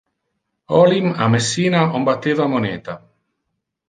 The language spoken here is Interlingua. Olim a Messina on batteva moneta.